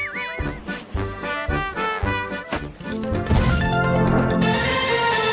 ยัง